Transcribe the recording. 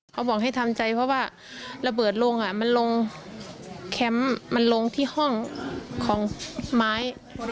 เขาบอกให้ทำใจเพราะว่าระเบิดลงมันลงแคมป์มันลงที่ห้องของไม้